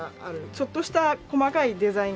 ちょっとした細かいデザインがやっぱり。